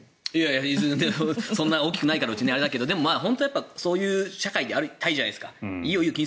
そんなにうち大きくないからあれだけどでもそういう社会でありたいじゃないですか。